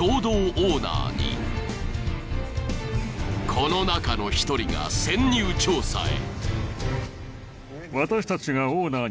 ［この中の１人が潜入調査へ］